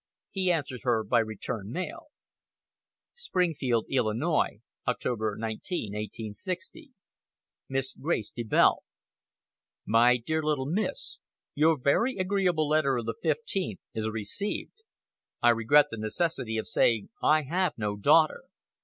He answered her by return mail: Springfield, ILL., Oct. 19, 1860. Miss Grace Bedelt, My dear little Miss: Your very agreeable letter of the fifteenth is received. I regret the necessity of saying I have no daughter.